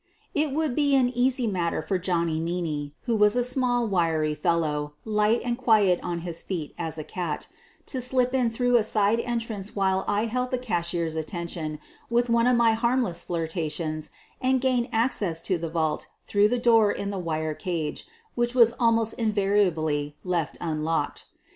It would be an easy matter for Johnny Meaney, 30 SOPHIE LYONS who was a small, wiry fellow, light and quiet on his feet as a cat, to slip in through a side entrance while I held the cashier's attention with one of my harmless flirtations and gain access to the vault through the door in the wire cage, which was almost invariably left unlocked.